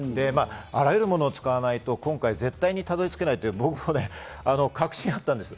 あらゆるものを使わないと今回絶対にたどり着けないと僕は確信あったんです。